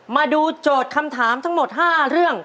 โจทย์คำถามทั้งหมด๕เรื่อง